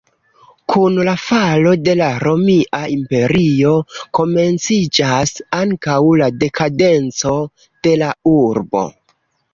Kun la falo de la Romia Imperio, komenciĝas ankaŭ la dekadenco de la urbo.